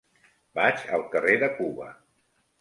Vaig al carrer de Cuba.